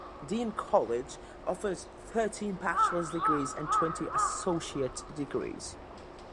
Dean College offers thirteen bachelor's degrees and twenty associate degrees.